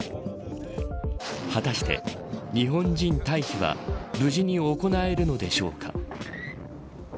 果たして日本人退避は無事に行えるのでしょうか。